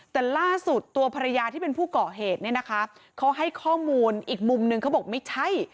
แต่ล่าสุดตัวภรรยาที่เป็นผู้ก่อเหตุเนี่ยนะคะเขาให้ข้อมูลอีกมุมนึงเขาบอกไม่ใช่